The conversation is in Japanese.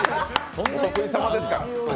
お得意様ですから。